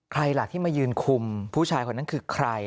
ใครล่ะที่มายืนคุมผู้ชายคนนั้นคือใคร